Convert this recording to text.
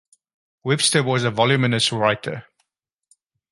Webster was a voluminous writer.